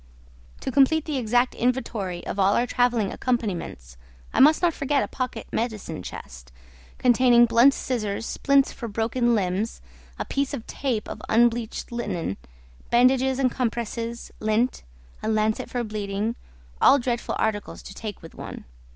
To complete the exact inventory of all our travelling accompaniments, I must not forget a pocket medicine chest, containing blunt scissors, splints for broken limbs, a piece of tape of unbleached linen, bandages and compresses, lint, a lancet for bleeding, all dreadful articles to take with one.